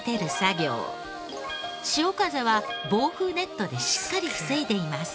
潮風は防風ネットでしっかり防いでいます。